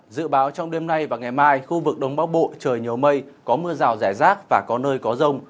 dự báo trong đêm nay và ngày mai khu vực đông bắc bộ trời nhiều mây có mưa rào rải rác và có nơi có rông